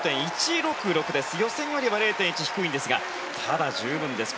予選よりは０．１低いんですがただ、十分です。